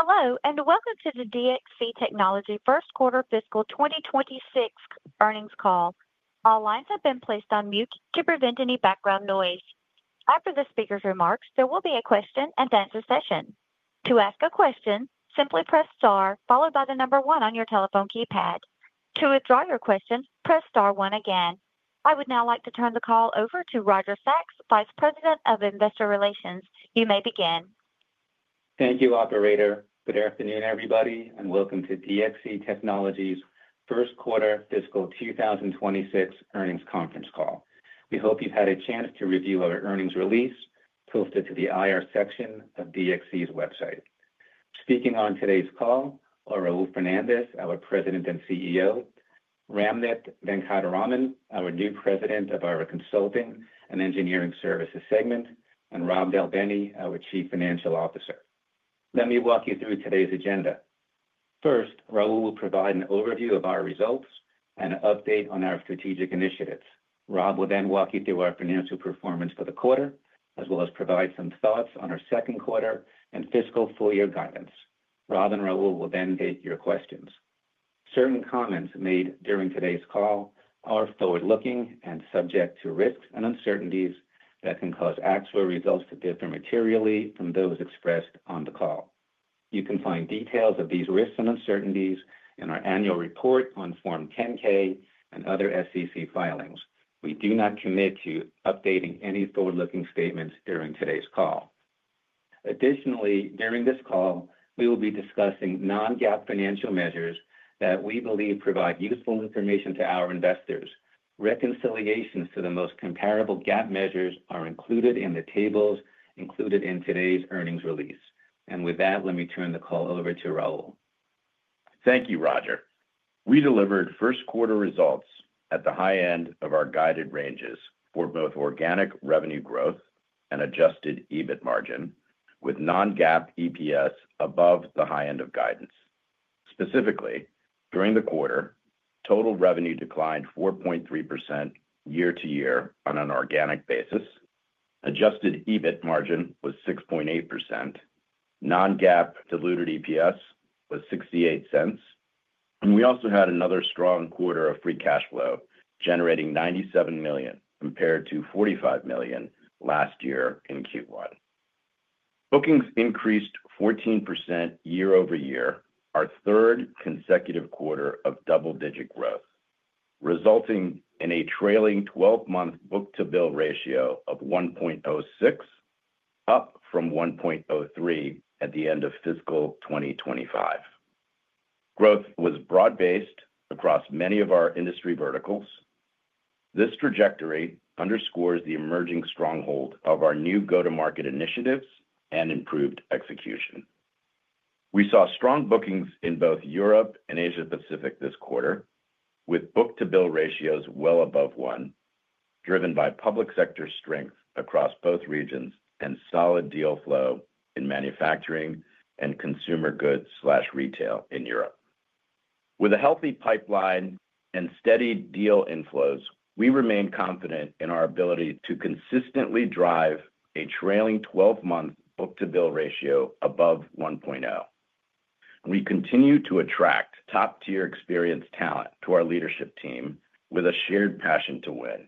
Hello and welcome to the DXC Technology first quarter fiscal 2026 earnings call. All lines have been placed on mute to prevent any background noise. After the speaker's remarks, there will be a question-and-answer session. To ask a question, simply press star followed by the number one on your telephone keypad. To withdraw your question, press star one again. I would now like to turn the call over to Roger Sachs, Vice President of Investor Relations. You may begin. Thank you, operator. Good afternoon everybody and welcome to DXC Technology's first quarter fiscal 2026 earnings conference call. We hope you've had a chance to review our earnings release posted to the IR section of DXC's website. Speaking on today's call are Raul Fernandez, our President and CEO, Ramnath Venkataraman, our new President of Consulting and Engineering Services segment, and Rob Del Bene, our Chief Financial Officer. Let me walk you through today's agenda. First, Raul will provide an overview of our results and update on our strategic initiatives. Rob will then walk you through our financial performance for the quarter as well as provide some thoughts on our second quarter and fiscal full year guidance. Rob and Raul will then take your questions. Certain comments made during today's call are forward looking and subject to risks and uncertainties that can cause actual results to differ materially from those expressed on the call. You can find details of these risks and uncertainties in our annual report on Form 10-K and other SEC filings. We do not commit to updating any forward looking statements during today's call. Additionally, during this call we will be discussing non-GAAP financial measures that we believe provide useful information to our investors. Reconciliations to the most comparable GAAP measures are included in the tables included in today's earnings release. With that, let me turn the call over to Raul. Thank you, Roger. We delivered first quarter results at the high end of our guided ranges for both organic revenue growth and adjusted EBIT margin, with non-GAAP EPS above the high end of guidance. Specifically, during the quarter, total revenue declined 4.3% year to year on an organic basis. Adjusted EBIT margin was 6.8%, non-GAAP diluted EPS was $0.68. We also had another strong quarter of free cash flow, generating $97 million compared to $45 million last year in Q1. Bookings increased 14% year-over-year, our third consecutive quarter of double-digit growth, resulting in a trailing twelve-month book-to-bill ratio of 1.06, up from 1.03 at the end of fiscal 2025. Growth was broad based across many of our industry verticals. This trajectory underscores the emerging stronghold of our new go to market initiatives and improved execution. We saw strong bookings in both Europe and Asia Pacific this quarter, with book-to-bill ratios well above 1.0, driven by public sector strength across both regions and solid deal flow in manufacturing and consumer goods retail in Europe. With a healthy pipeline and steady deal inflows, we remain confident in our ability to consistently drive a trailing twelve-month book-to-bill ratio above 1.0. We continue to attract top-tier, experienced talent to our leadership team with a shared passion to win.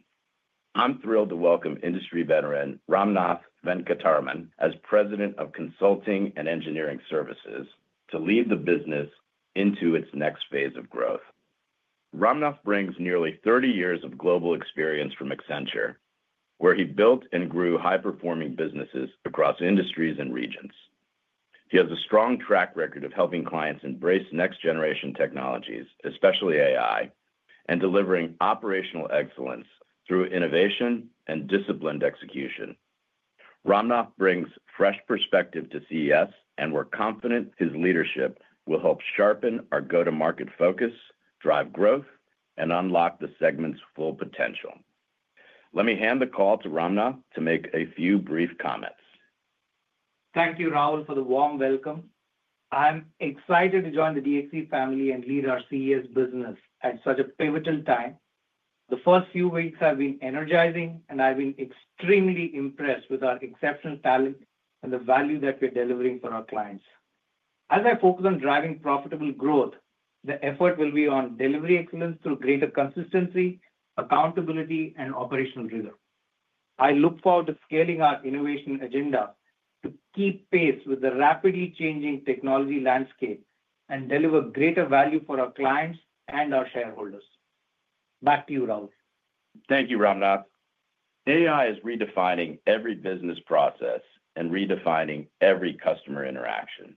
I'm thrilled to welcome industry veteran Ramnath Venkataraman as President of Consulting and Engineering Services to lead the business into its next phase of growth. Ramnath brings nearly 30 years of global experience from Accenture, where he built and grew high-performing businesses across industries and regions. He has a strong track record of helping clients embrace next-generation technologies, especially AI, and delivering operational excellence through innovation and disciplined execution. Ramnath brings fresh perspective to CES, and we're confident his leadership will help sharpen our go-to-market focus, drive growth, and unlock the segment's full potential. Let me hand the call to Ramnath to make a few brief comments. Thank you Raul for the warm welcome. I'm excited to join the DXC family and lead our CES business at such a pivotal time. The first few weeks have been energizing and I've been extremely impressed with our exceptional talent and the value that we're delivering for our clients. As I focus on driving profitable growth, the effort will be on delivery excellence through greater consistency, accountability, and operational reserve. I look forward to scaling our innovation agenda to keep pace with the rapidly changing technology landscape and deliver greater value for our clients and our shareholders. Back to you Raul. Thank you, Ramnath. AI is redefining every business process and redefining every customer interaction.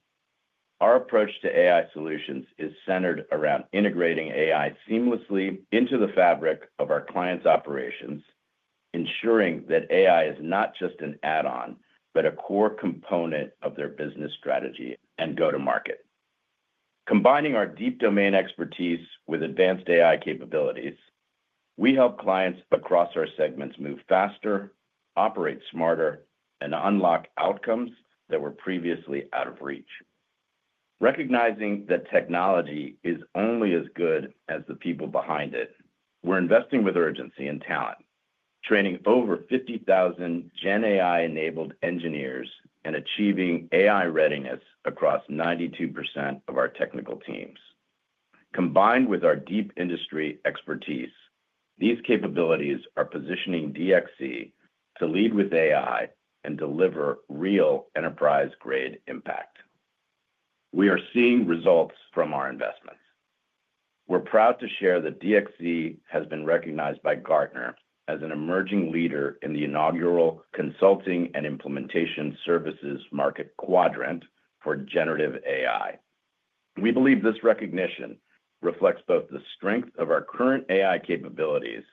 Our approach to AI solutions is centered around integrating AI seamlessly into the fabric of our clients' operations, ensuring that AI is not just an add-on but a core component of their business strategy and go to market. Combining our deep domain expertise with advanced AI capabilities, we help clients across our segments move faster, operate smarter, and unlock outcomes that were previously out of reach. Recognizing that technology is only as good as the people behind it, we're investing with urgency in talent, training over 50,000 gen AI-enabled engineers and achieving AI readiness across 92% of our technical teams. Combined with our deep industry expertise, these capabilities are positioning DXC to lead with AI and deliver real enterprise-grade impact. We are seeing results from our investments. We're proud to share that DXC has been recognized by Gartner as an emerging leader in the inaugural consulting and implementation services market quadrant for generative AI. We believe this recognition reflects both the strength of our current AI capabilities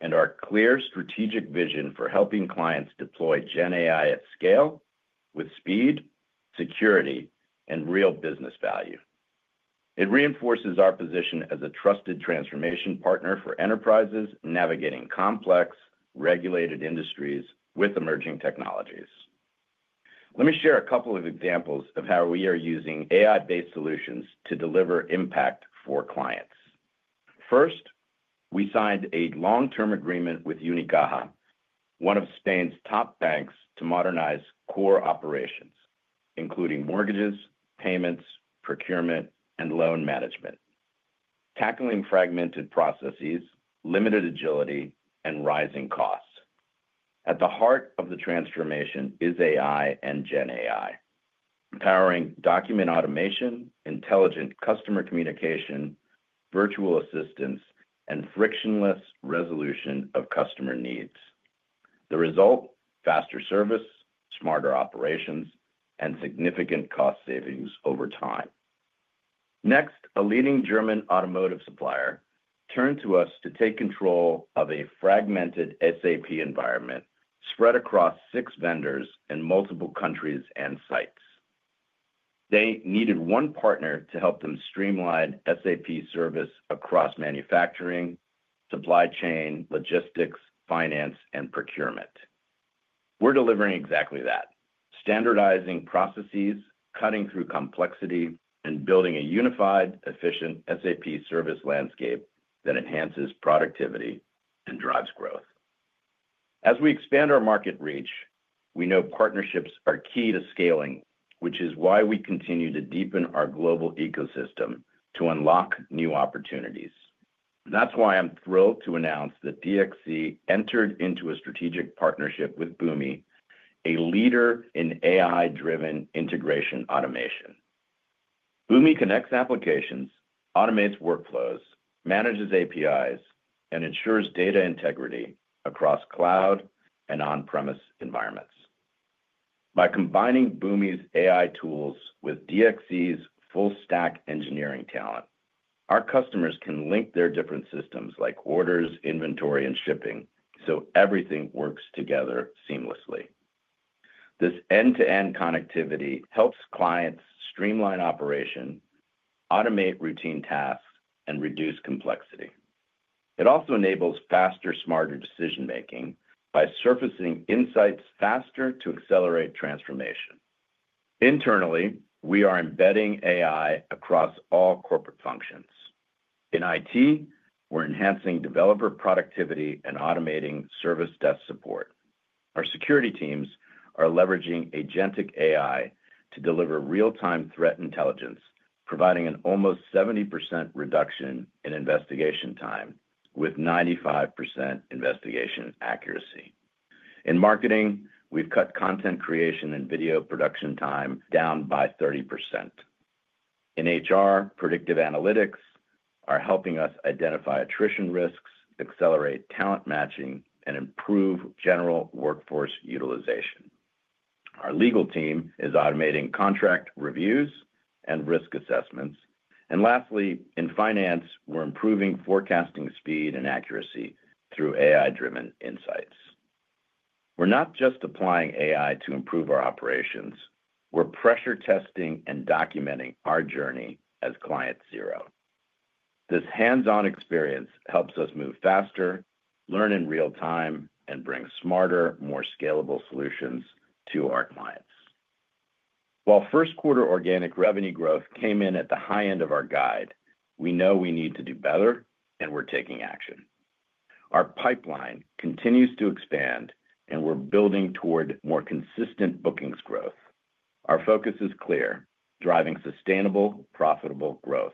and our clear strategic vision for helping clients deploy gen AI at scale with speed, security, and real business value. It reinforces our position as a trusted transformation partner for enterprises navigating complex regulated industries with emerging technologies. Let me share a couple of examples of how we are using AI-based solutions to deliver impact for clients. First, we signed a long-term agreement with Unicaja, one of Spain's top banks, to modernize core operations including mortgages, payments, procurement, and loan management, tackling fragmented processes, limited agility, and rising costs. At the heart of the transformation is AI and gen AI powering document automation, intelligent customer communication, virtual assistance, and frictionless resolution of customer needs. The result? Faster service, smarter operations, and significant cost savings over time. Next, a leading German automotive supplier turned to us to take control of a fragmented SAP environment spread across six vendors in multiple countries and sites. They needed one partner to help them streamline SAP service across manufacturing, supply chain, logistics, finance, and procurement. We're delivering exactly that, standardizing processes, cutting through complexity, and building a unified, efficient SAP service landscape that enhances productivity and drives growth as we expand our market reach. We know partnerships are key to scaling, which is why we continue to deepen our global ecosystem to unlock new opportunities. That's why I'm thrilled to announce that DXC entered into a strategic partnership with Boomi. A leader in AI-driven integration automation, Boomi connects applications, automates workflows, manages APIs, and ensures data integrity across cloud and on-premise environments. By combining Boomi's AI tools with DXC's full stack engineering talent, our customers can link their different systems like orders, inventory, and shipping so everything works together seamlessly. This end-to-end connectivity helps clients streamline operations, automate routine tasks, and reduce complexity. It also enables faster, smarter decision making by surfacing insights faster to accelerate transformation. Internally, we are embedding AI across all corporate functions. In IT, we're enhancing developer productivity and automating service desk support. Our security teams are leveraging agentic AI to deliver real-time threat intelligence, providing an almost 70% reduction in investigation time with 95% investigation accuracy. In marketing, we've cut content creation and video production time down by 30%. In HR, predictive analytics are helping us identify attrition risks, accelerate talent matching, and improve general workforce utilization. Our legal team is automating contract reviews and risk assessments. Lastly, in finance, we're improving forecasting speed and accuracy through AI-driven insights. We're not just applying AI to improve our operations, we're pressure testing and documenting our journey as Client Zero. This hands-on experience helps us move faster, learn in real time, and bring smarter, more scalable solutions to our clients. While first quarter organic revenue growth came in at the high end of our guide, we know we need to do better and we're taking action. Our pipeline continues to expand and we're building toward more consistent bookings growth. Our focus is clear, driving sustainable, profitable growth.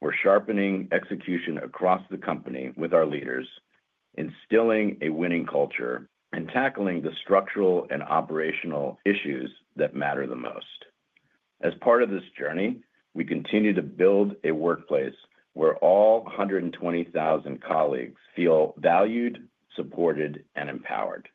We're sharpening execution across the company with our leaders, instilling a winning culture, and tackling the structural and operational issues that matter the most. As part of this journey, we continue to build a workplace where all 120,000 colleagues feel valued, supported, and empowered.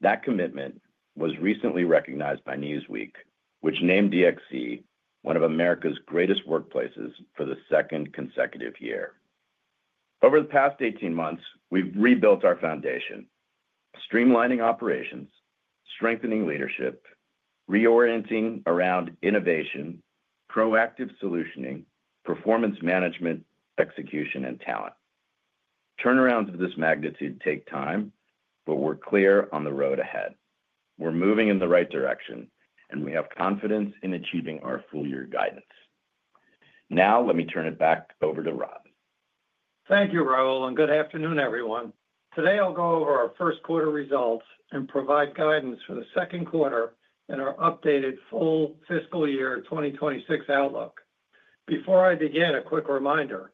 That commitment was recently recognized by Newsweek, which named DXC one of America's Greatest Workplaces for the second consecutive year. Over the past 18 months, we've rebuilt our foundation, streamlining operations, strengthening leadership, reorienting around innovation, proactive solutioning, performance management, execution, and talent. Turnarounds of this magnitude take time, but we're clear on the road ahead, we're moving in the right direction, and we have confidence in achieving our full year guidance. Now let me turn it back over to Rob. Thank you, Raul, and good afternoon, everyone. Today I'll go over our first quarter results and provide guidance for the second quarter and our updated full fiscal year 2026 outlook. Before I begin, a quick reminder.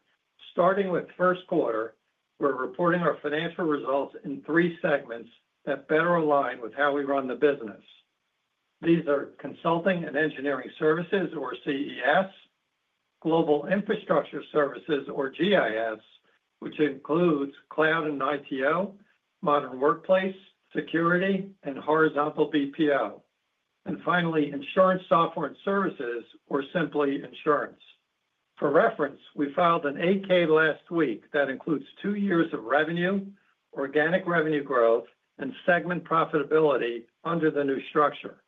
starting with the first quarter, we're reporting our financial results in three segments that better align with how we run the business. These are Consulting and Engineering Services, or CES, Global Infrastructure Services, or GIS, which includes Cloud and ITO, Modern Workplace, Security, and Horizontal BPO, and finally Insurance Software and Services, or simply Insurance. For reference, we filed an 8-K last week that includes two years of revenue, organic revenue growth, and segment profitability under the new structure.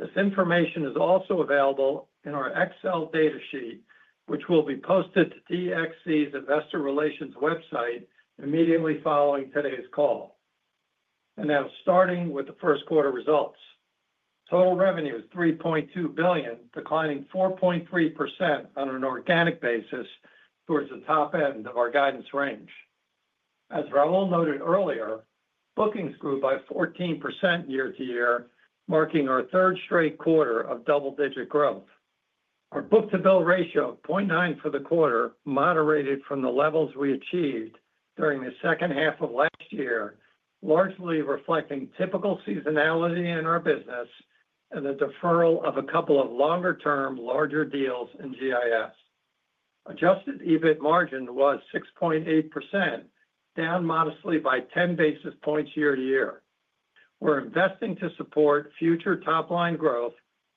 This information is also available in our Excel data sheet, which will be posted to DXC's investor relations website immediately following today's call. Now, starting with the first quarter results, total revenue is $3.2 billion, declining 4.3% on an organic basis, towards the top end of our guidance range. As Raul noted earlier, bookings grew by 14% year to year, marking our third straight quarter of double-digit growth. Our book-to-bill ratio, 0.94 for the quarter, moderated from the levels we achieved during the second half of last year, largely reflecting typical seasonality in our business and the deferral of a couple of longer-term larger deals in GIS. Adjusted EBIT margin was 6.8%, down modestly by 10 basis points year to year. We're investing to support future top-line growth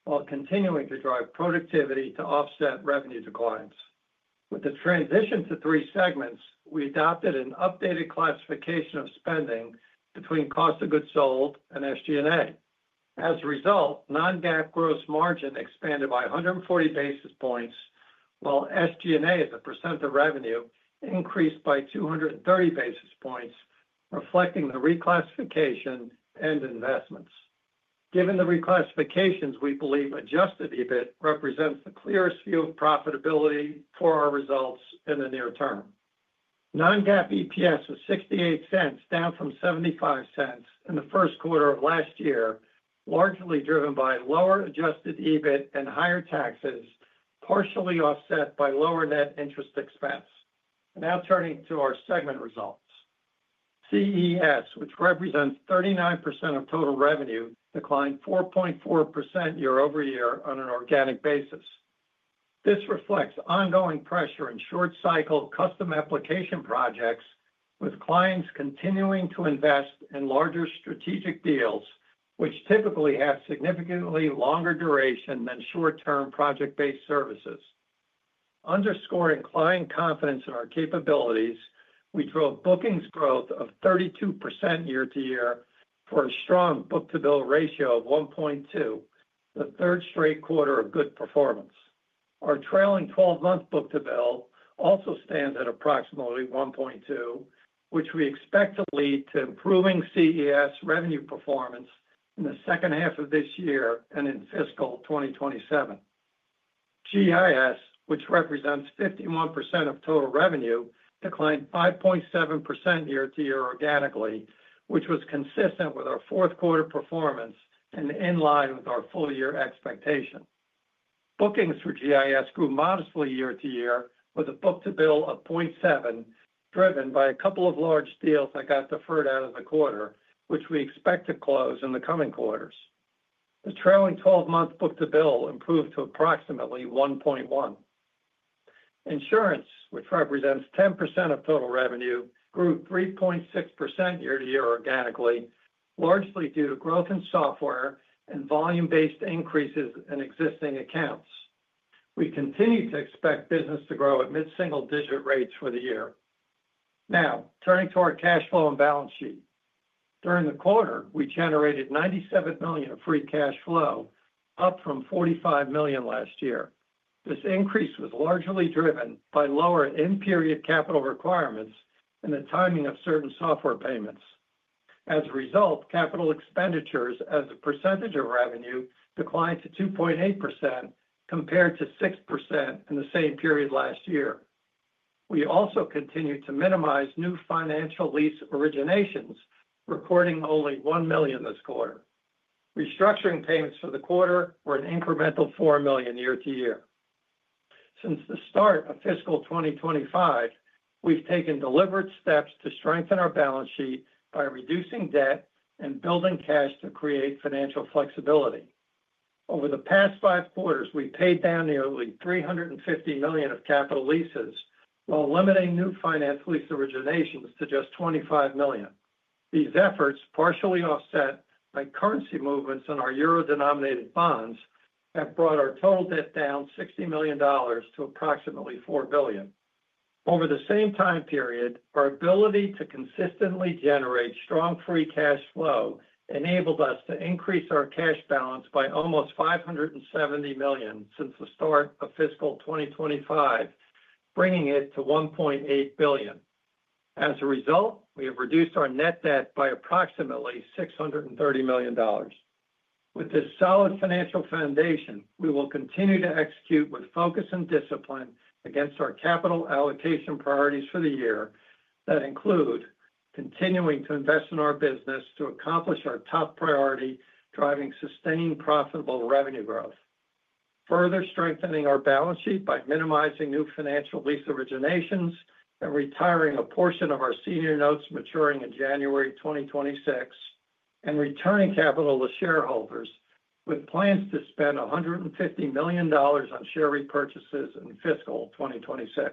while continuing to drive productivity to offset revenue declines. With the transition to three segments, we adopted an updated classification of spending between cost of goods sold and SG&A. As a result, non-GAAP gross margin expanded by 140 basis points, while SG&A as a percent of revenue increased by 230 basis points, reflecting the reclassification and investments. Given the reclassifications, we believe adjusted EBIT represents the clearest view of profitability for our results in the near term. Non-GAAP EPS was $0.68, down from $0.75 in the first quarter of last year, largely driven by lower adjusted EBIT and higher taxes, partially offset by lower net interest expense. Now turning to our segment results, CES, which represents 39% of total revenue, declined 4.4% year-over-year on an organic basis. This reflects ongoing pressure in short cycle custom application projects with clients continuing to invest in larger strategic deals, which typically have significantly longer duration than short term project-based services. Underscoring client confidence in our capabilities, we drove bookings growth of 32% year to year for a strong book-to-bill ratio of 1.2, the third straight quarter of good performance. Our trailing twelve-month book-to-bill also stands at approximately 1.2, which we expect to lead to improving CES revenue performance in the second half of this year and in fiscal 2027. GIS, which represents 51% of total revenue, declined 5.7% year to year organically, which was consistent with our fourth quarter performance and in line with our full year expectation. Bookings for GIS grew modestly year to year with a book-to-bill of 0.7, driven by a couple of large deals that got deferred out of the quarter, which we expect to close in the coming quarters. The trailing twelve-month book-to-bill improved to approximately 1.1. Insurance, which represents 10% of total revenue, grew 3.6% year to year organically, largely due to growth in software and volume based increases in existing accounts. We continue to expect business to grow at mid single digit rates for the year. Now turning to our cash flow and balance sheet, during the quarter we generated $97 million of free cash flow, up from $45 million last year. This increase was largely driven by lower in period capital requirements and the timing of certain software payments. As a result, capital expenditures as a percentage of revenue declined to 2.8% compared to 6% in the same period last year. We also continue to minimize new financial lease originations, recording only $1 million this quarter. Restructuring payments for the quarter were an incremental $4 million year to year. Since the start of fiscal 2025, we've taken deliberate steps to strengthen our balance sheet by reducing debt and building cash to create financial flexibility. Over the past five quarters, we paid down nearly $350 million of capital leases while limiting new finance lease originations to just $25 million. These efforts, partially offset by currency movements in our euro denominated bonds, have brought our total debt down $60 million to approximately $4 billion over the same time period. Our ability to consistently generate strong free cash flow enabled us to increase our cash balance by almost $570 million since the start of fiscal 2025, bringing it to $1.8 billion. As a result, we have reduced our net debt by approximately $630 million. With this solid financial foundation, we will continue to execute with focus and discipline against our capital allocation priorities for the year that include continuing to invest in our business to accomplish our top priority, driving sustained, profitable revenue growth, further strengthening our balance sheet by minimizing new financial lease originations and retiring a portion of our senior notes maturing in January 2026, and returning capital to shareholders with plans to spend $150 million on share repurchases in fiscal 2026.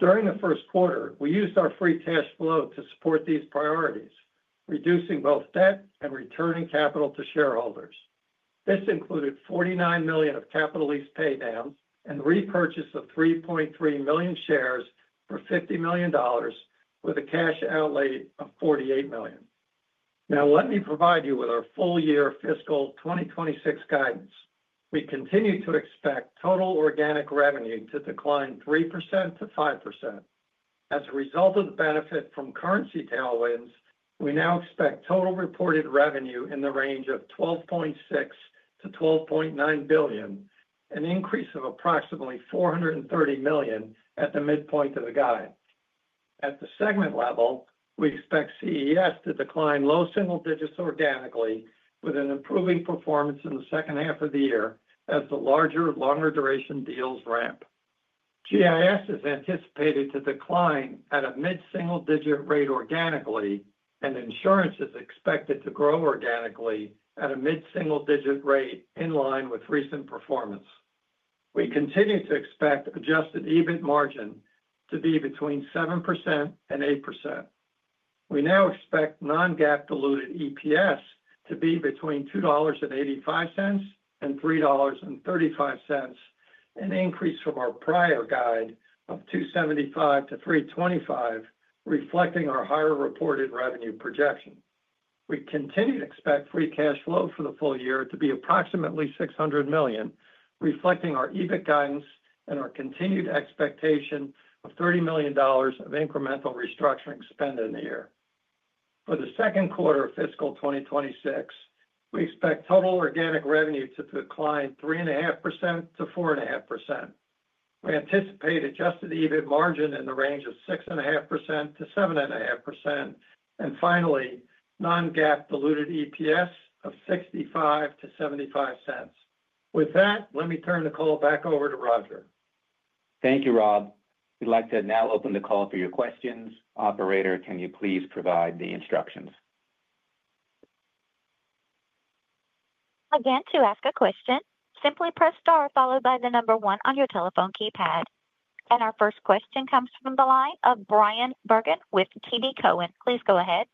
During the first quarter, we used our free cash flow to support these priorities, reducing both debt and returning capital to shareholders. This included $49 million of capital lease pay downs and repurchase of 3.3 million shares for $50 million with a cash outlay of $48 million. Now let me provide you with our full year fiscal 2026 guidance. We continue to expect total organic revenue to decline 3%-5%. As a result of the benefit from currency tailwinds, we now expect total reported revenue in the range of $12.6 billion-$12.9 billion, an increase of approximately $430 million at the midpoint of the guide. At the segment level, we expect CES to decline low single digits organically with an improving performance in the second half of the year as the larger, longer duration deals ramp. GIS is anticipated to decline at a mid single digit rate organically, and Insurance is expected to grow organically at a mid single digit rate. In line with recent performance, we continue to expect adjusted EBIT margin to be between 7% and 8%. We now expect non-GAAP diluted EPS to be between $2.85 and $3.35, an increase from our prior guide of $2.75-$3.25, reflecting our higher reported revenue projection. We continue to expect free cash flow for the full year to be approximately $600 million, reflecting our EBIT guidance and our continued expectation of $30 million of incremental restructuring spend in the year. For the second quarter of fiscal 2026, we expect total organic revenue to decline 3.5%-4.5%. We anticipate adjusted EBIT margin in the range of 6.5%-7.5%. Finally, non-GAAP diluted EPS of $0.65-$0.75. With that, let me turn the call back over to Roger. Thank you, Rob. We'd like to now open the call for your questions. Operator, can you please provide the instructions. To ask a question, simply press star followed by the number one on your telephone keypad. Our first question comes from the line of Bryan Bergin with TD Cowen. Please go ahead.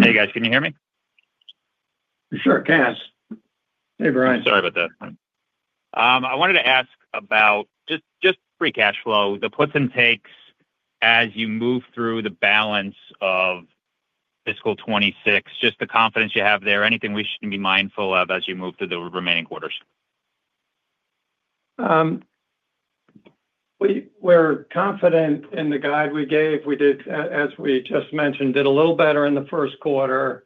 Hey guys, can you hear me? Sure, Cass. Hey, Brian, sorry about that. I wanted to ask about just free cash flow, the puts and takes as you move through the balance of fiscal 2026. Just the confidence you have there. Anything we should be mindful of as you move to the remaining quarters. We were confident in the guide we gave. We did, as we just mentioned, do a little better in the first quarter.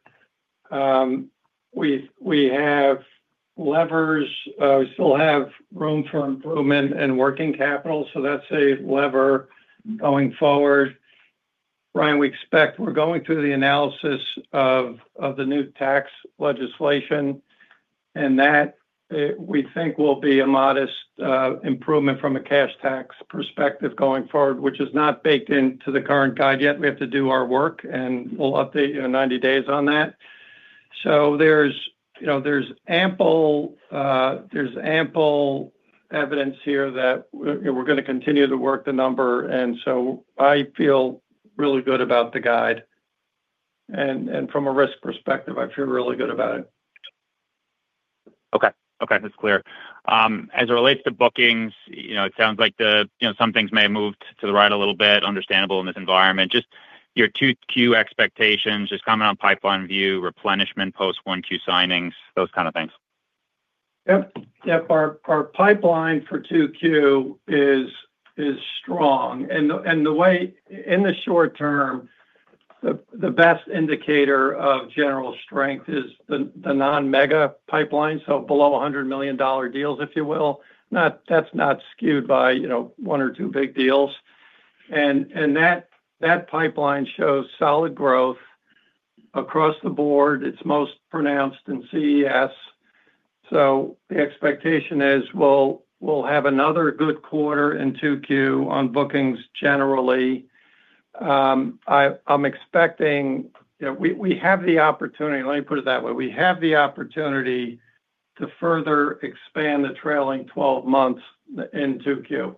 We have levers, we still have room for improvement in working capital. That's a lever going forward, Brian. We expect we're going through the analysis of the new tax legislation and that we think will be a modest improvement from a cash tax perspective going forward, which is not baked into the current guide yet. We have to do our work and we'll update you in 90 days on that. There's ample evidence here that we're going to continue to work the number. I feel really good about the guide and from a risk perspective, I feel really good about it. Okay, that's clear. As it relates to bookings, it sounds like some things may have moved to the right a little bit. Understandable in this environment. Just your 2Q expectations. Just comment on pipeline view replenishment, post 1Q signings, those kind of things. Yep, our pipeline for 2Q is strong, and in the short term, the best indicator of general strength is the non-mega pipeline. So, below $100 million deals, if you will, that's not skewed by, you know, one or two big deals, and that pipeline shows solid growth across the board. It's most pronounced in CES. The expectation is we'll have another good quarter in 2Q on bookings. Generally, I'm expecting we have the opportunity—let me put it that way—we have the opportunity to further expand the trailing 12 months in 2Q.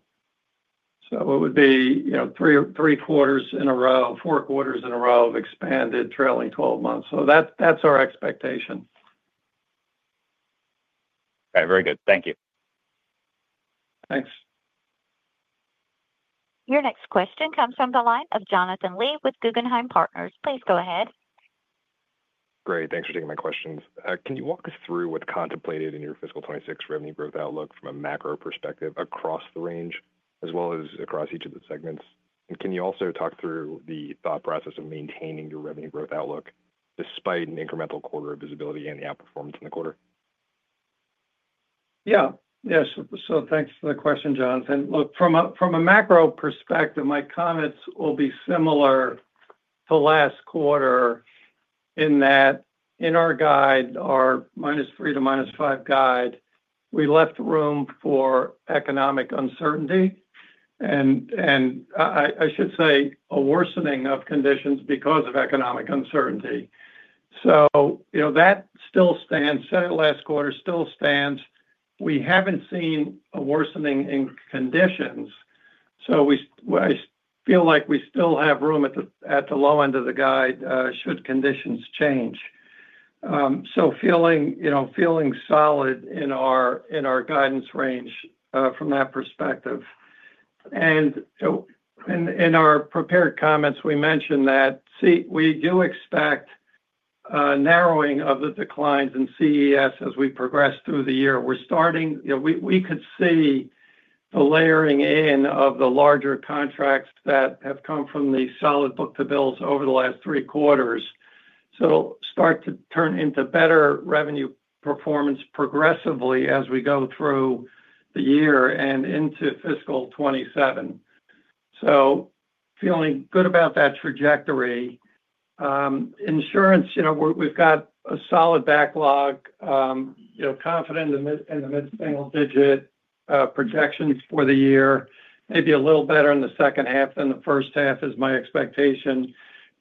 It would be, you know, three quarters in a row, four quarters in a row of expanded trailing 12 months. That's our expectation. Okay, very good. Thank you. Thanks. Your next question comes from the line of Jonathan Lee with Guggenheim Partners. Please go ahead. Great. Thanks for taking my questions. Can you walk us through what's contemplated in your fiscal 2026 revenue growth outlook from a macro perspective across the range, as well as across each of the segments. Can you also talk through the thought process of maintaining your revenue growth outlook despite an incremental quarter of visibility in the outperformance in the quarter? Yeah. Yes. So thanks for the question, Jonathan. Look, from a macro perspective, my comments will be similar to last quarter in that in our guide, our -3% to -5% guide, we left room for economic uncertainty, and I should say a worsening of conditions because of economic uncertainty. That still stands. Said it last quarter, still stands. We haven't seen a worsening in conditions. We feel like we still have room at the low end of the guide should conditions change. Feeling solid in our guidance range from that perspective. In our prepared comments, we mentioned that we do expect narrowing of the declines in CES as we progress through the year. We're starting, we could see the layering in of the larger contracts that have come from the solid book-to-bill ratios over the last three quarters start to turn into better revenue performance progressively as we go through the year and into fiscal 2027. Feeling good about that trajectory. Insurance, we've got a solid backlog, confident in the mid single digit projections for the year. Maybe a little better in the second half than the first half is my expectation.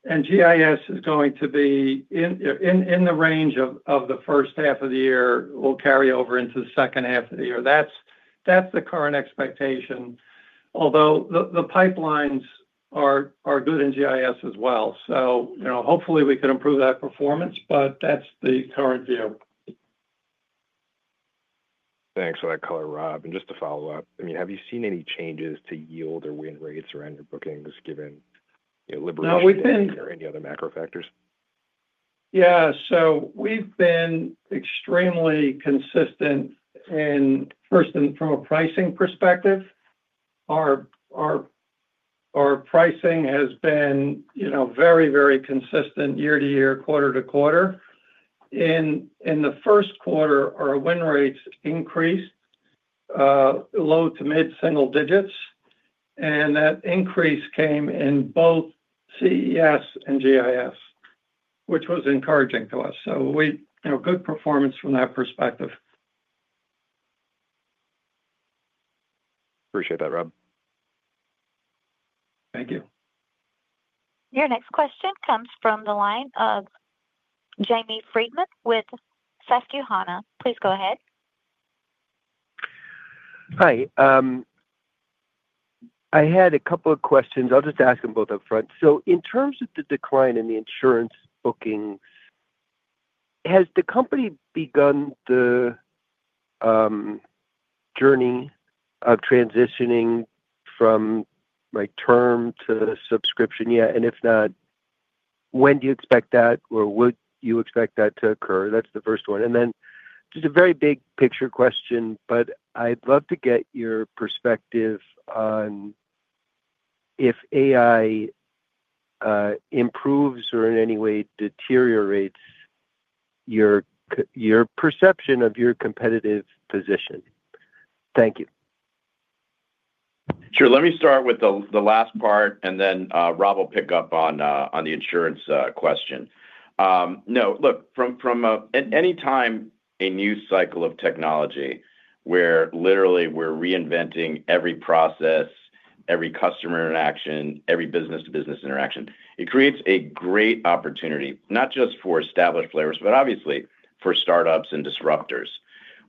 GIS is going to be in the range of the first half of the year and will carry over into the second half of the year. That's the current expectation. Although the pipelines are good in GIS as well, hopefully we can improve that performance. That's the current view. Thanks for that color, Rob. Have you seen any changes to yield or win rates around your bookings, given liberty or any other macro factors? Yeah. We've been extremely consistent. From a pricing perspective, our pricing has been very, very consistent year to year, quarter to quarter. In the first quarter, our win rates increased low to mid single digits, and that increase came in both CES and GIS, which was encouraging to us. We had good performance from that perspective. Appreciate that, Rob, thank you. Your next question comes from the line of Jamie Friedman with Susquehanna. Please go ahead. Hi. I had a couple of questions. I'll just ask them both up front. In terms of the decline in the Insurance bookings, has the company begun. The journey of transitioning from my term to subscription yet? If not, when do you expect. Would you expect that to occur? That's the first one. I would love to get your perspective on if AI improves or in any way deteriorates your perception of your competitive position. Thank you. Sure. Let me start with the last part and then Rob will pick up on the Insurance question. No, look, from any time a new cycle of technology where literally we're reinventing every process, every customer interaction, every business-to-business interaction, it creates a great opportunity, not just for established players, but obviously for startups and disruptors.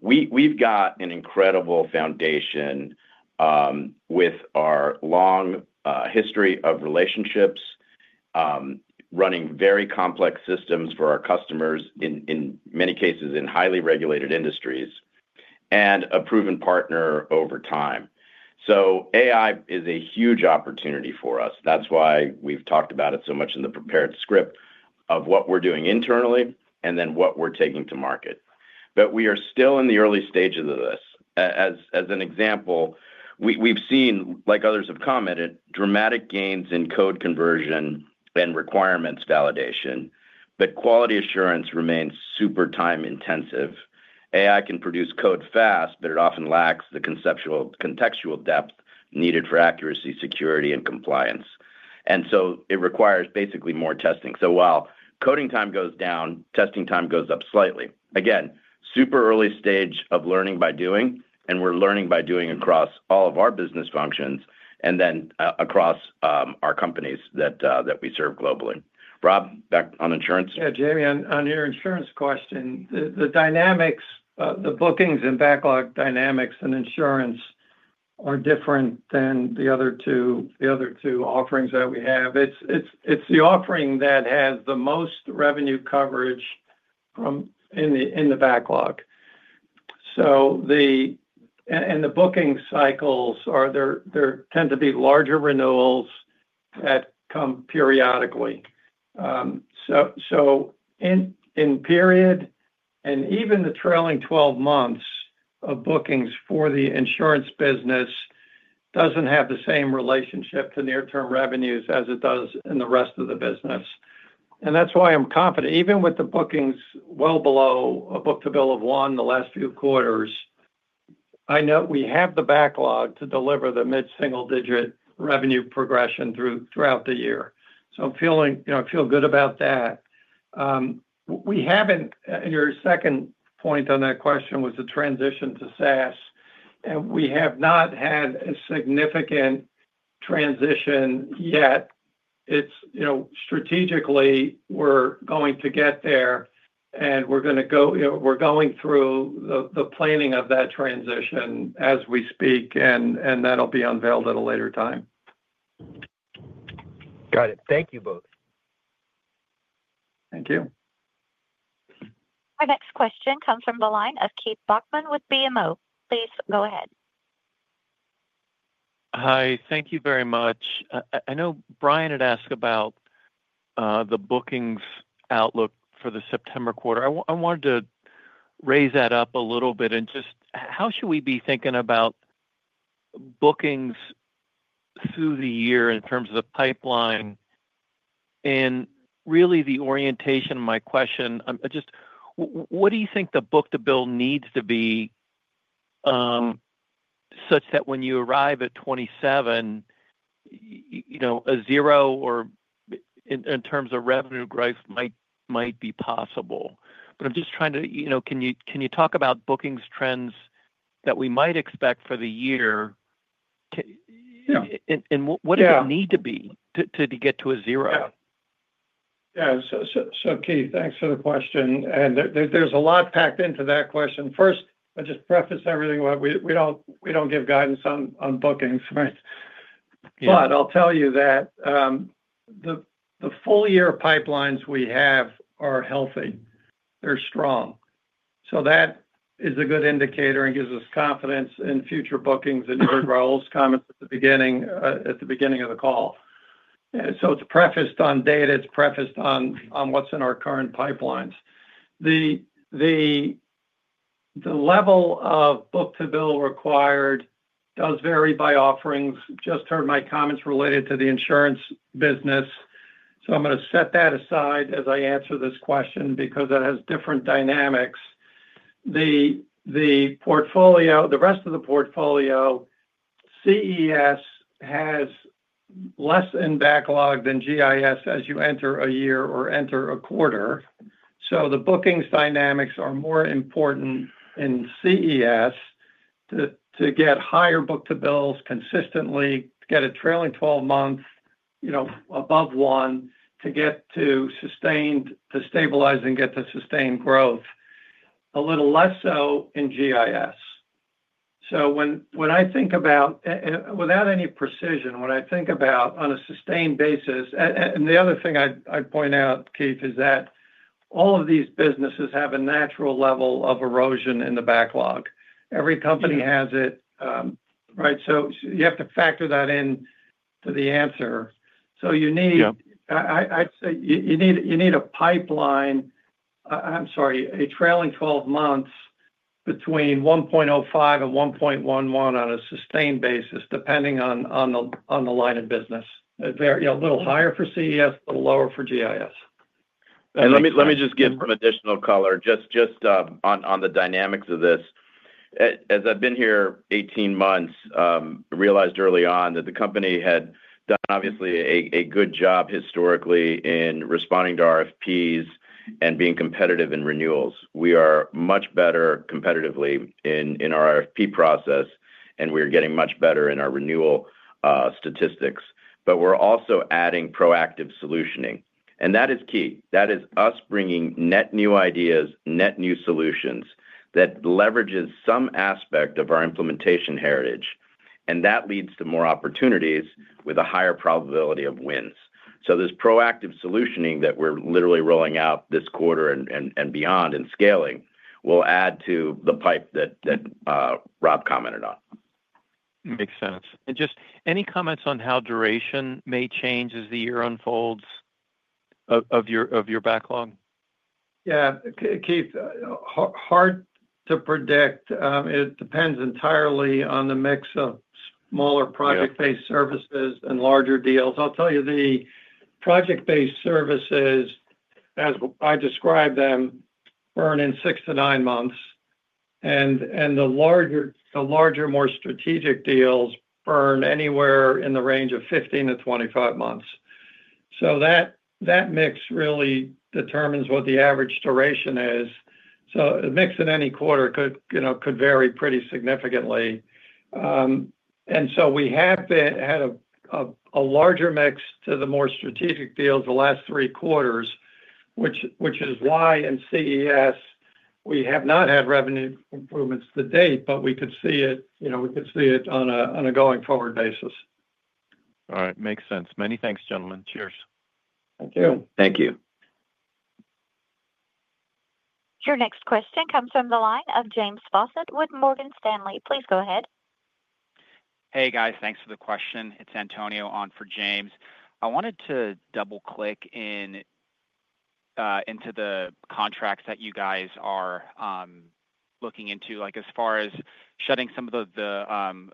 We've got an incredible foundation with our long history of relationships, running very complex systems for our customers, in many cases in highly regulated industries, and a proven partner over time. AI is a huge opportunity for us. That's why we've talked about it so much in the prepared script of what we're doing internally and then what we're taking to market. We are still in the early stages of this. As an example, we've seen, like others have commented, dramatic gains in code conversion and requirements validation. Quality assurance remains super time intensive. AI can produce code fast, but it often lacks the contextual depth needed for accuracy, security, and compliance. It requires basically more testing. While coding time goes down, testing time goes up slightly. Again, super early stage of learning by doing, and we're learning by doing across all of our business functions and then across our companies that we serve globally. Rob, back on Insurance. Yeah. Jamie, on your Insurance question, the bookings and backlog dynamics in Insurance are different than the other two offerings that we have. It's the offering that has the most revenue coverage from the backlog. The booking cycles tend to be larger renewals that come periodically, so in period and even the trailing 12 months of bookings for the Insurance business doesn't have the same relationship to near term revenues as it does in the rest of the business. That's why I'm confident, even with the bookings well below a book-to-bill of one the last few quarters, I know we have the backlog to deliver the mid-single digit revenue progression throughout the year. I'm feeling, you know, I feel good about that. Your second point on that question was the transition to SaaS and we have not had a significant transition yet. Strategically we're going to get there and we're going through the planning of that transition as we speak and that'll be unveiled at a later time. Got it. Thank you both. Thank you. Our next question comes from the line of Keith Bachman with BMO. Please go ahead. Hi. Thank you very much. I know Brian had asked about the bookings outlook for the September quarter. I wanted to raise that up a little bit. How should we be thinking about bookings through the year in terms of the pipeline? The orientation of my question is just what do you think the book-to-bill needs to be such that when you arrive at 2027, you know, a zero or in terms of revenue growth might be possible. I'm just trying to, you know, can you talk about bookings trends that we might expect for the year and what does it need to be to get to a zero? Yeah. Keith, thanks for the question and there's a lot packed into that question. First, I just preface everything. We don't give guidance on bookings. Right. I'll tell you that the full year pipelines we have are healthy, they're strong. That is a good indicator and gives us confidence in future bookings. You heard Raul's comments at the beginning of the call. It's prefaced on data, it's prefaced on what's in our current pipelines. The level of book-to-bill required does vary by offerings. You just heard my comments related to the Insurance business. I'm going to set that aside as I answer this question because that has different dynamics. The rest of the portfolio, CES has less in backlog than GIS as you enter a year or enter a quarter. The bookings dynamics are more important in CES to get higher book-to-bill ratios, consistently get a trailing twelve month above one, to stabilize and get to sustained growth. A little less so in GIS. When I think about, without any precision, when I think about on a sustained basis. The other thing I'd point out, Keith, is that all of these businesses have a natural level of erosion in the backlog. Every company has it, right. You have to factor that in to the answer. You need a pipeline, I'm sorry, a trailing twelve months between 1.05 and 1.11 on a sustained basis, depending on the line of business. A little higher for CES, a little lower for GIS. Let me just give some additional color on the dynamics of this. As I've been here 18 months, realized early on that the company had done obviously a good job historically in responding to RFPs and being competitive in renewals. We are much better competitively in our RFP process and we are getting much better in our renewal statistics. We're also adding proactive solutioning and that is key. That is us bringing net new ideas, net new solutions that leverage some aspect of our implementation heritage and that leads to more opportunities with a higher probability of wins. This proactive solutioning that we're literally rolling out this quarter and beyond and scaling will add to the pipe that Rob commented on. Makes sense. Any comments on how duration may change as the year unfolds of your backlog? Yeah, Keith, hard to predict. It depends entirely on the mix of smaller project-based services and larger deals. I'll tell you, the project-based services, as I described them, burn in six to nine months. The larger, more strategic deals burn anywhere in the range of 15 to 25 months. That mix really determines what the average duration is. Mix in any quarter could vary pretty significantly. We have had a larger mix to the more strategic deals the last three quarters, which is why in CES we have not had revenue improvements to date. We could see it on a going forward basis. All right, makes sense. Many thanks, gentlemen. Cheers. Thank you. Thank you. Your next question comes from the line of James Faucette with Morgan Stanley. Please go ahead. Hey guys, thanks for the question. It's Antonio on for James. I wanted to double click into the contracts that you guys are looking into, like as far as shutting some of the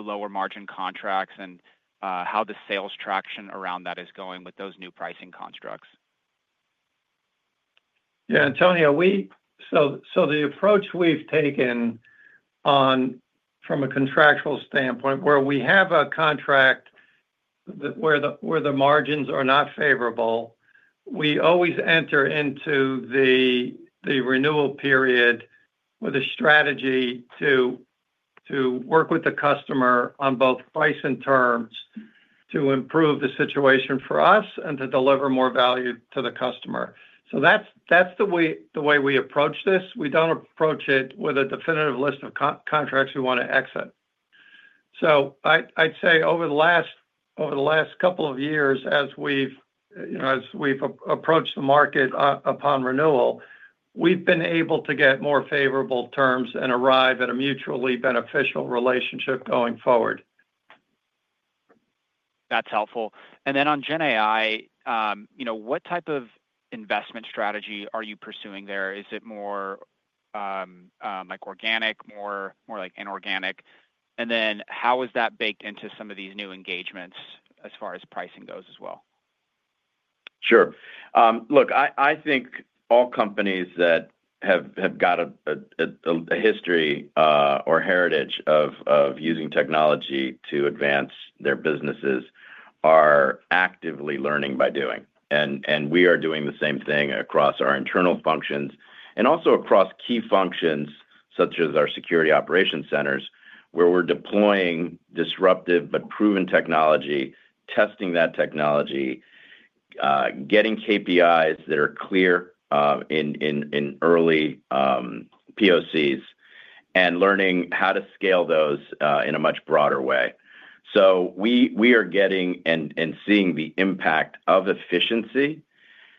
lower margin contracts and how the sales traction around that is going with those new pricing constructs. Yeah, Antonio, the approach we've taken from a contractual standpoint, where we have a contract where the margins are not favorable, we always enter into the renewal period with a strategy to work with the customer on both price and terms to improve the situation for us and to deliver more value to the customer. That's the way we approach this. We don't approach it with a definitive list of contracts we want to exit. I'd say over the last couple of years, as we've approached the market upon renewal, we've been able to get more favorable terms and arrive at a mutually beneficial relationship going forward. That's helpful. Then on Gen AI, you know, what type of investment strategy are you pursuing there? Is it more like organic, more like inorganic? How is that baked into some of these new engagements as far as pricing goes as well? Sure. Look, I think all companies that have got a history or heritage of using technology to advance their businesses are actively learning by doing. We are doing the same thing across our internal functions and also across key functions such as our security operations centers, where we're deploying disruptive but proven technology, testing that technology, getting KPIs that are clear in early POCs, and learning how to scale those in a much broader way. We are getting and seeing the impact of efficiency.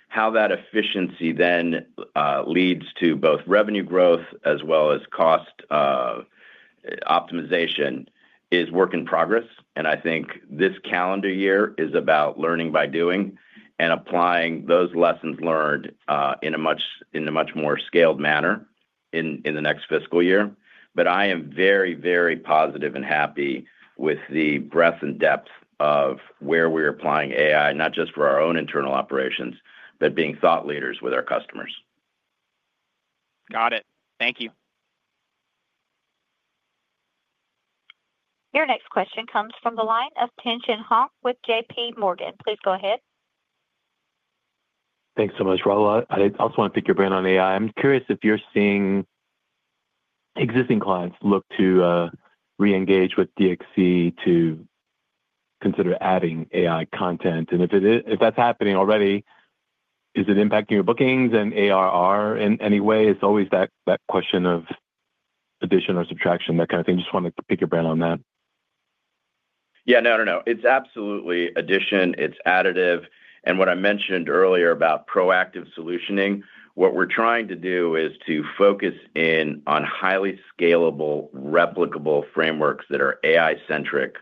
How that efficiency then leads to both revenue growth as well as cost optimization is work in progress. I think this calendar year is about learning by doing and applying those lessons learned in a much more scaled manner in the next fiscal year. I am very, very positive and happy with the breadth and depth of where we're applying AI, not just for our own internal operations, but being thought leaders with our customers. Got it. Thank you. Your next question comes from the line of Tien-Tsin Huang with JPMorgan. Please go ahead. Thanks so much, Raul. I also want to pick your brain on AI. I'm curious if you're seeing existing clients look to re-engage with DXC to consider adding AI content and if that's happening already, is it impacting your bookings and ARR in any way? It's always that question of addition or subtraction, that kind of thing. Just want to pick your brain on that. Yeah. No, it's absolutely addition. It's additive. What I mentioned earlier about proactive solutioning, what we're trying to do is to focus in on highly scalable, replicable frameworks that are AI-centric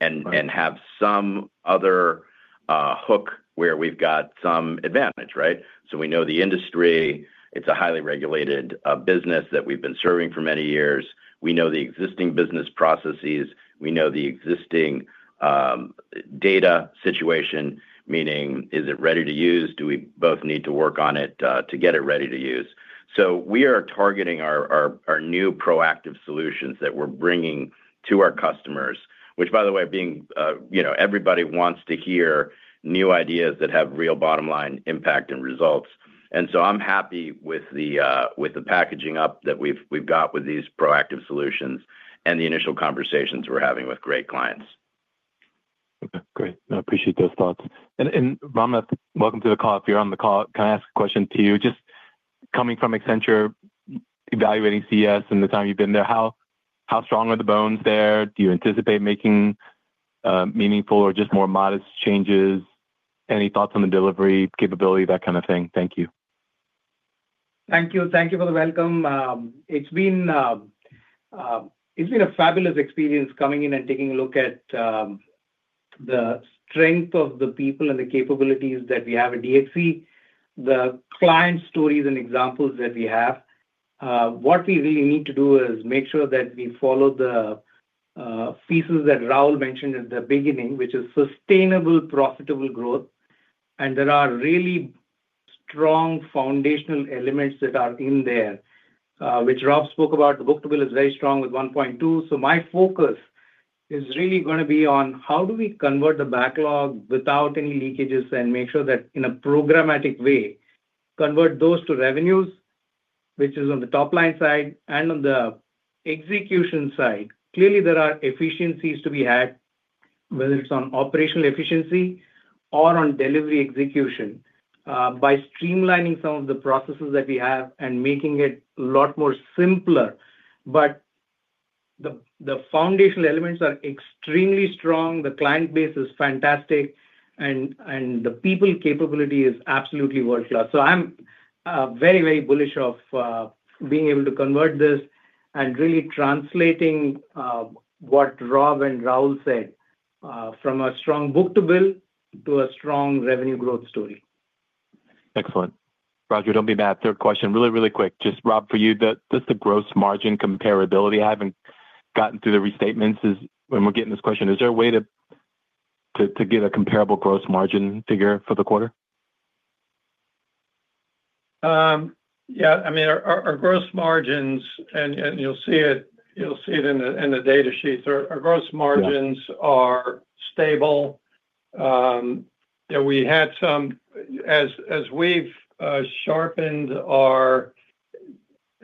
and have some other hook where we've got some advantage. Right. We know the industry. It's a highly regulated business that we've been serving for many years. We know the existing business processes, we know the existing data situation, meaning is it ready to use? Do we both need to work on it to get it ready to use? We are targeting our new proactive solutions that we're bringing to our customers, which by the way, everybody wants to hear new ideas that have real bottom line impact and results. I'm happy with the packaging up that we've got with these proactive solutions and the initial conversations we're having with great clients. Great, I appreciate those thoughts. And Ramnath, welcome to the call. If you're on the call, can I ask a question to you? Just coming from Accenture, evaluating CES and the time you've been there, how strong are the bones there? Do you anticipate making meaningful or just more modest changes? Any thoughts on the delivery capability, that kind of thing? Thank you. thank you, thank you for the welcome. It's been a fabulous experience coming in and taking a look at the strength of the people and the capabilities that we have at DXC, the client stories and examples that we have. What we really need to do is make sure that we follow the pieces that Raul mentioned at the beginning, which is sustainable, profitable growth. There are really strong foundational elements that are in there, which Rob spoke about. The book-to-bill is very strong with 1.2. My focus is really going to be on how do we convert the backlog without any leakages and make sure that in a programmatic way convert those to revenues, which is on the top line side and on the execution side. Clearly there are efficiencies to be had, whether it's on operational efficiency or on delivery execution by streamlining some of the processes that we have and making it a lot more simple. The foundational elements are extremely strong. The client base is fantastic and the people capability is absolutely world class. I'm very, very bullish of being able to convert this and really translating what Rob and Raul said from a strong book-to-bill to a strong revenue growth story. Excellent, Roger, don't be mad. Third question, really, really quick, just Rob, for you, just the gross margin comparability having gotten through the restatements, is when we're getting this question, is there a way to get a comparable gross margin figure for the quarter? Yeah, I mean our gross margins, and you'll see it, you'll see it in the data sheets. Our gross margins are stable. We had some, as we've sharpened our,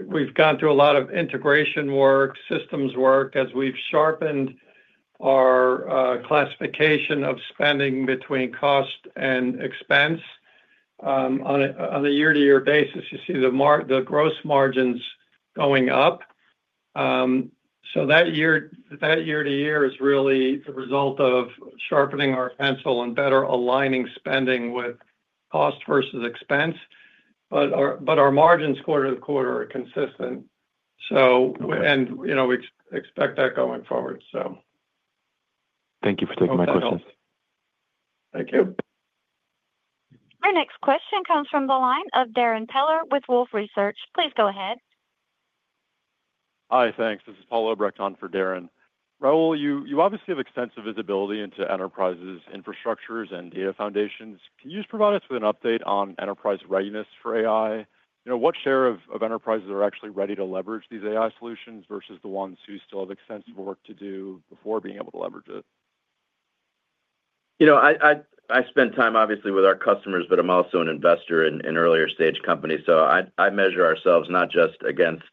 we've gone through a lot of integration work, systems work. As we've sharpened our classification of spending between cost and expense on a year-to-year basis, you see the gross margins going up. That year-to-year is really the result of sharpening our pencil and better aligning spending with cost versus expense. Our margins quarter to quarter are consistent, and you know, we expect that going forward. Thank you for taking my questions. Thank you. Our next question comes from the line of Darrin Peller with Wolfe Research. Please go ahead. Hi, thanks. This is Paul Obrecht on for Darrin. Raul, you obviously have extensive visibility into enterprises infrastructures and data foundations. Can you just provide us with an update on enterprise readiness for AI? What share of enterprises are actually ready to leverage these AI solutions versus the ones who still have extensive work to do before being able to leverage it? You know, I spend time obviously with our customers, but I'm also an investor in earlier stage companies. I measure ourselves not just against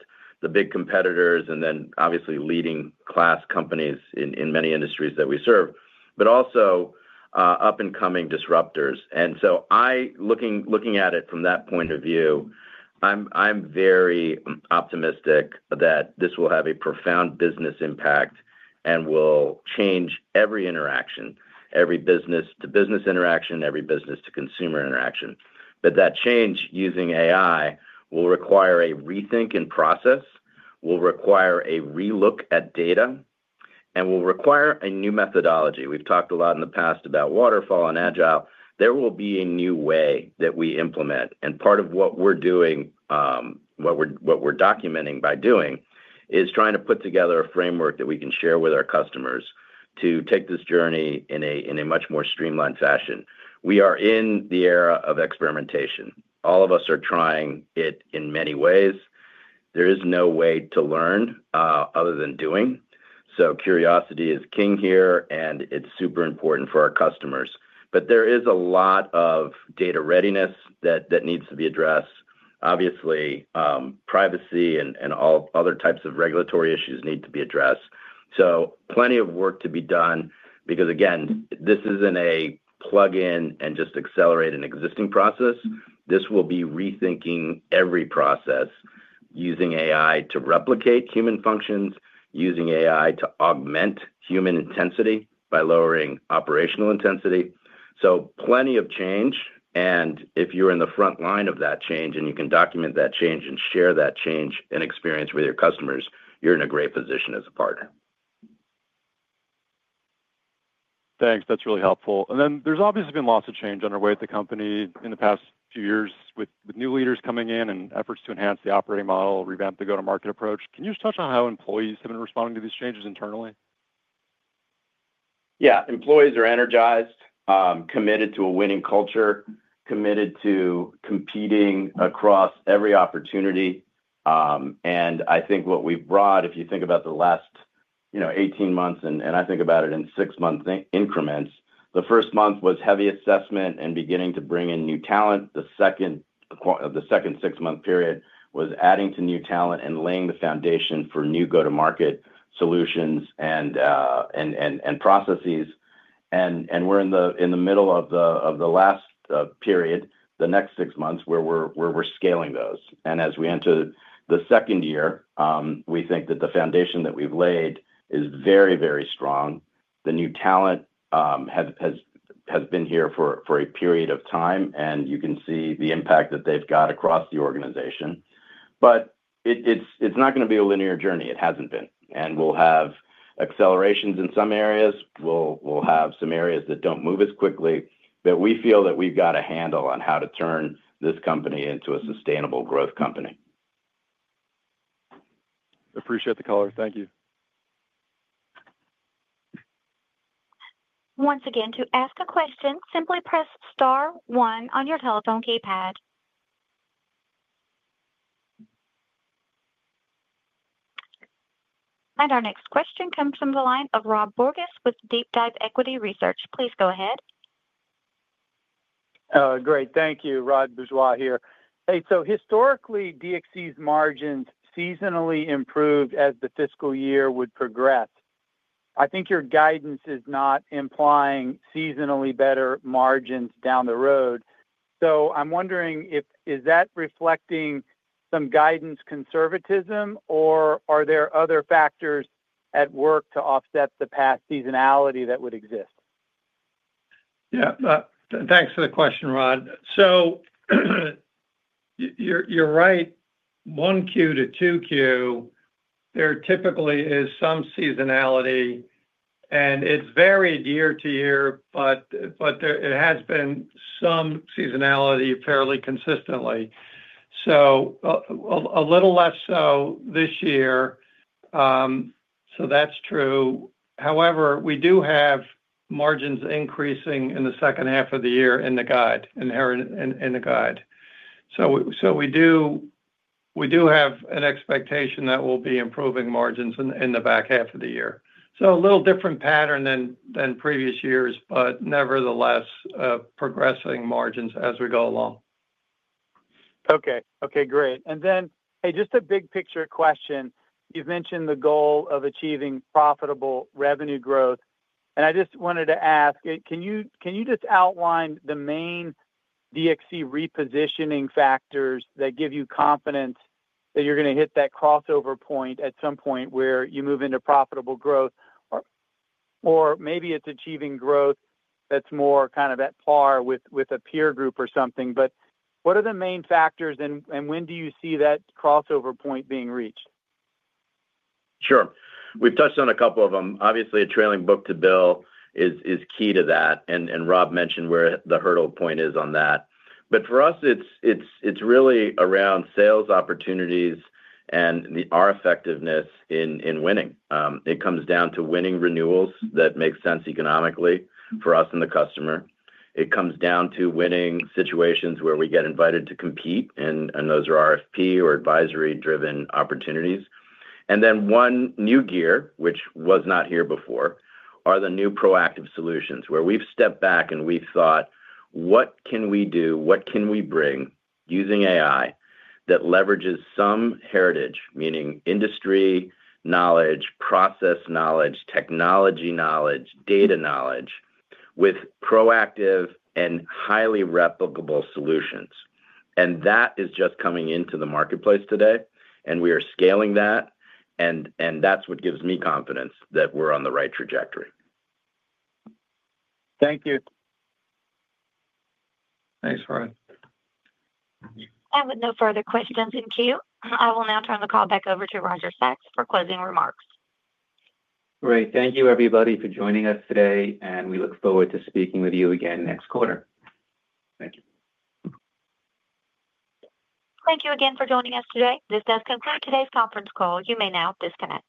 the big competitors and obviously leading class companies in many industries that we serve, but also up and coming disruptors. Looking at it from that point of view, I'm very optimistic that this will have a profound business impact and will change every interaction, every business to business interaction, every business to consumer interaction. That change using AI will require a rethink in process, will require a relook at data, and will require a new methodology. We've talked a lot in the past about waterfall and agile. There will be a new way that we implement and part of what we're doing, what we're documenting by doing, is trying to put together a framework that we can share with our customers to take this journey in a much more streamlined fashion. We are in the era of experimentation. All of us are trying it in many ways. There is no way to learn other than doing. Curiosity is king here and it's super important for our customers. There is a lot of data readiness that needs to be addressed. Obviously privacy and all other types of regulatory issues need to be addressed. Plenty of work to be done because again, this isn't a plug in and just accelerate an existing process. This will be rethinking every process. Using AI to replicate human functions, using AI to augment human intensity by lowering operational intensity. Plenty of change. If you're in the front line of that change and you can document that change and share that change and experience with your customers, you're in a great position as a partner. Thanks, that's really helpful. There's obviously been lots of change underway at the company in the past few years with new leaders coming in and efforts to enhance the operating model, revamp the go to market approach. Can you just touch on how employees have been responding to these changes internally? Yeah. Employees are energized, committed to a winning culture, committed to competing across every opportunity. If you think about the last 18 months, and I think about it in six month increments, the first month was heavy assessment and beginning to bring in new talent. The second six month period was adding to new talent and laying the foundation for new go to market solutions and processes. We are in the middle of the last period, the next six months where we are scaling those, and as we enter the second year, we think that the foundation that we've laid is very, very strong. The new talent has been here for a period of time and you can see the impact that they've got across the organization. It is not going to be a linear journey. It hasn't been. We will have accelerations in some areas, we will have some areas that don't move as quickly, but we feel that we've got a handle on how to turn this company into a sustainable growth company. Appreciate the caller. Thank you. Once again, to ask a question, simply press star one on your telephone keypad. Our next question comes from the line of Rob Bourgeois with DeepDive Equity Research. Please go ahead. Great, thank you. Rod Bourgeois here. Historically, DXC's margins seasonally improved as the fiscal year would progress. I think your guidance is not implying seasonally better margins down the road. I'm wondering if that is reflecting some guidance conservatism or are there other factors at work to offset the past seasonality that would exist? Yeah, thanks for the question, Rod. So. You're right. 1Q to 2Q, there typically is some seasonality and it's varied year to year, but it has been some seasonality fairly consistently, so a little less so this year. That's true. However, we do have margins increasing in the second half of the year, inherent in the guide. We do have an expectation that we'll be improving margins in the back half of the year. It's a little different pattern than previous years, but nevertheless progressing margins as we go along. Okay, great. Just a big picture question. You've mentioned the goal of achieving profitable revenue growth and I just wanted to ask, can you outline the main DXC repositioning factors that give you confidence that you're going to hit that crossover point at some point where you move into profitable growth, or maybe it's achieving growth that's more kind of at par with a peer group or something. What are the main factors and when do you see that crossover point being reached? Sure, we've touched on a couple of them. Obviously, a trailing book-to-bill is key to that. Rob mentioned where the hurdle point is on that. For us, it's really around sales opportunities and our effectiveness in winning. It comes down to winning renewals that make sense economically for us and the customer. It comes down to winning situations where we get invited to compete, and those are RFP or advisory-driven opportunities. One new gear which was not here before is the new proactive solutions where we've stepped back and we thought, what can we do? What can we bring using AI that leverages some heritage meaning industry knowledge, process knowledge, technology knowledge, data knowledge with proactive and highly replicable solutions. That is just coming into the marketplace today, and we are scaling that. That's what gives me confidence that we're on the right trajectory. Thank you. Thanks, Rod. With no further questions in queue, I will now turn the call back over to Roger Sachs for closing remarks. Great. Thank you, everybody, for joining us today. We look forward to speaking with you again next quarter. Thank you. Thank you again for joining us today. This does conclude today's conference call. You may now disconnect.